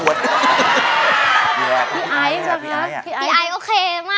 อ่า